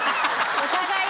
お互い？